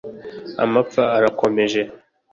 amapfa arakomeje